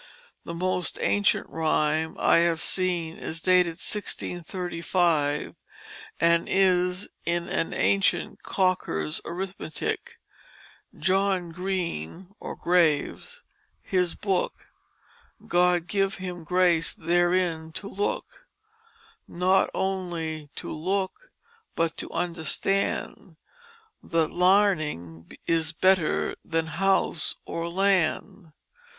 The most ancient rhyme I have seen is dated 1635 and is in an ancient Cocker's Arithmetic: "John Greene (or Graves), his book God give Him Grace theirein to look Not oneley to look, but to Understand That Larning is better than House or Land."